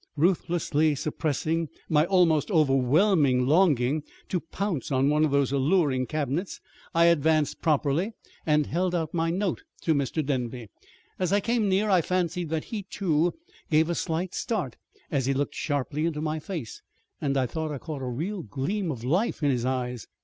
Ruthlessly suppressing my almost overwhelming longing to pounce on one of those alluring cabinets, I advanced properly and held out my note to Mr. Denby. As I came near I fancied that he, too, gave a slight start as he looked sharply into my face; and I thought I caught a real gleam of life in his eyes.